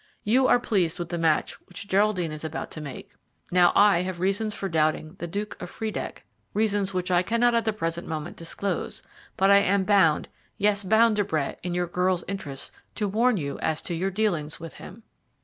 You are pleased with the match which Geraldine is about to make. Now, I have reasons for doubting the Duke of Friedeck, reasons which I cannot at the present moment disclose, but I am bound yes, bound, De Brett, in your girl's interests to warn you as to your dealings with him."